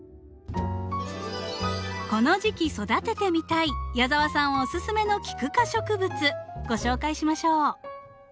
この時期育ててみたい矢澤さんおすすめのキク科植物ご紹介しましょう。